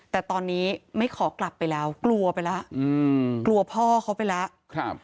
แต่ตอนนี้ไม่ขอกลับไปแล้วกลัวไปแล้วกลัวพ่อเขาไปแล้ว